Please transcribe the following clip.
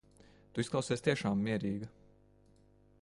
Tu izklausies tiešām mierīga.